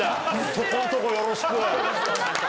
そこんとこよろしく！